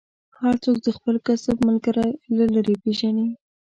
هر څوک د خپل کسب ملګری له لرې پېژني.